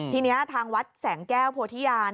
ทีนี้ทางวัดแสงแก้วโพธิญาณ